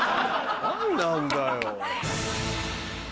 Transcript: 何なんだよ。